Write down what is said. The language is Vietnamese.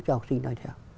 cho học sinh nói theo